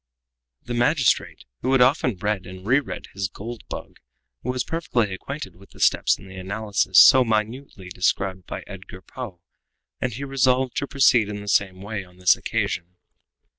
The magistrate, who had often read and re read his "Gold Bug," was perfectly acquainted with the steps in the analysis so minutely described by Edgar Poe, and he resolved to proceed in the same way on this occasion.